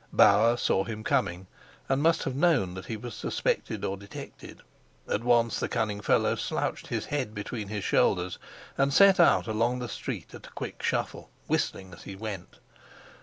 Bauer saw him coming, and must have known that he was suspected or detected. At once the cunning fellow slouched his head between his shoulders, and set out along the street at a quick shuffle, whistling as he went.